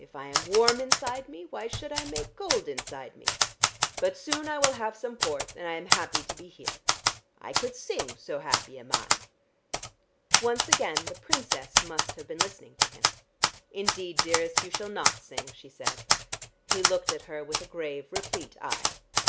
If I am warm inside me, why should I make cold inside me? But soon I will have some port, and I am happy to be here. I could sing, so happy am I." Once again the Princess must have been listening to him. "Indeed, dearest, you shall not sing," she said. He looked at her with a grave replete eye.